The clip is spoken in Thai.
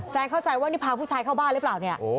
เข้าใจว่านี่พาผู้ชายเข้าบ้านหรือเปล่าเนี่ย